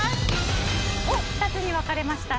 ２つに分かれました。